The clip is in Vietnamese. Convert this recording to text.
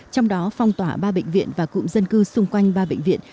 trong đó phong tỏa ba bệnh viện và cụm dân cư xung quanh ba bệnh viện